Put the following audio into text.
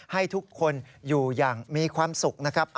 ให้ทุกคนอยู่อย่างมีความสุขนะครับ